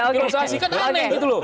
birokrasi kan aneh gitu loh